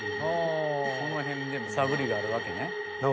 この辺で探りがあるわけね。